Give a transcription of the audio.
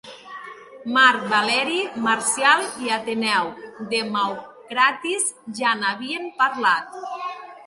Marc Valeri Marcial i Ateneu de Naucratis ja n'havien parlat.